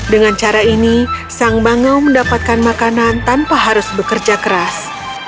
dengan cara ini sang bangau mendapatkan makanan tanpa harus bekerja keras